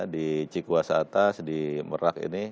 di cikuasa atas di merak ini